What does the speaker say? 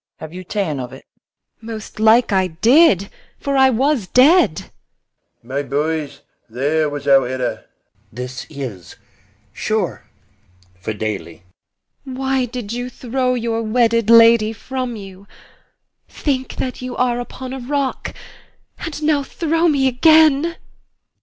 Have you ta'en of it? IMOGEN. Most like I did, for I was dead. BELARIUS. My boys, There was our error. GUIDERIUS. This is sure Fidele. IMOGEN. Why did you throw your wedded lady from you? Think that you are upon a rock, and now Throw me again.